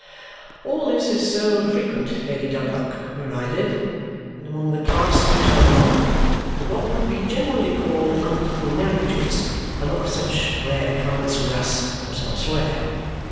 "All this is so frequent, Lady Dedlock, where I live, and among the class to which I belong, that what would be generally called unequal marriages are not of such rare occurrence with us as elsewhere.